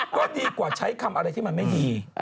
ก็ดีกว่าใช้คำอะไรที่มันไม่ดี